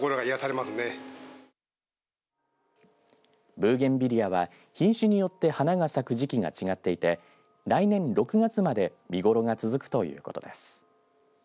ブーゲンビリアは品種によって花が咲く時期が違っていて来年６月まで見頃が続くということです。